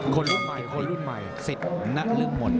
คนลุ่มใหม่สิทธิ์นักลึกหมด